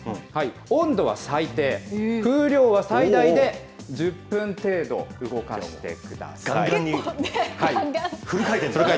温度は最低、風量は最大で１０分程度動かしてください。